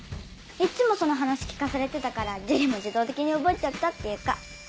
いっつもその話聞かされてたから樹里も自動的に覚えちゃったっていうか。